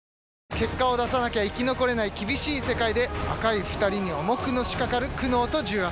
結果を出さなきゃ生き残れない厳しい世界で若い２人に重くのしかかる苦悩と重圧。